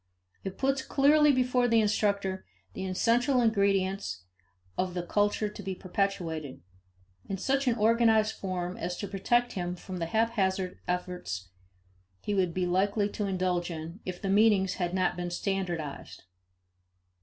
It puts clearly before the instructor the essential ingredients of the culture to be perpetuated, in such an organized form as to protect him from the haphazard efforts he would be likely to indulge in if the meanings had not been standardized.